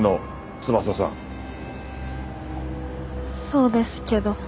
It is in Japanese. そうですけど。